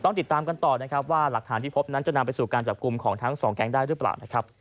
ติดตามกันต่อนะครับว่าหลักฐานที่พบนั้นจะนำไปสู่การจับกลุ่มของทั้งสองแก๊งได้หรือเปล่านะครับ